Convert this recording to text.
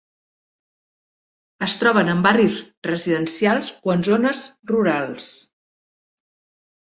Es troben en barris residencials o en zones rurals.